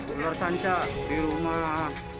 ular sanca di rumah